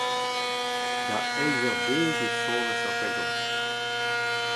Da eizh eur dek e sonas ar pellgomz.